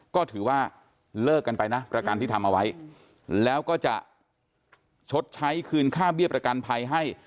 ก็ถือว่าเลิกกันไปนะประกันที่ทำเอาไว้แล้วก็จะชดใช้คืนค่าเบี้ยประกันภัยให้